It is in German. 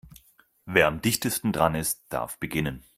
Wer am dichtesten dran ist, darf beginnen.